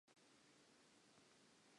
Boholo ba mosebetsi ona bo a tswella.